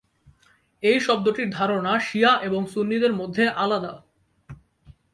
এই শব্দটির ধারণা শিয়া এবং সুন্নিদের মধ্যে আলাদা।